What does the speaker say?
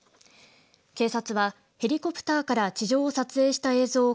警察はヘリコプターから地上を撮影した映像を